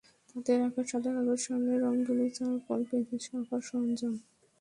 তাতে রাখা সাদা কাগজ, সামনে রং, তুলি, চারকোল, পেনসিলসহ আঁকার সরঞ্জাম।